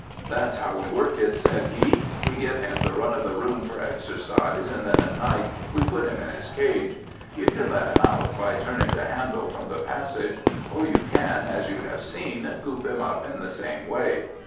"That's how we work it," said he. "We give him the run of the room for exercise, and then at night we put him in his cage. You can let him out by turning the handle from the passage, or you can, as you have seen, coop him up in the same way.